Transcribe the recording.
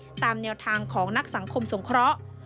ตามแนวทางของนักสังคมสงเคราะห์